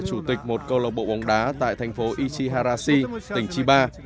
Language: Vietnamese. chủ tịch một câu lọc bộ bóng đá tại thành phố ichiharashi